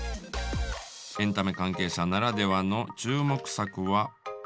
エンタメ関係者ならではの注目作は。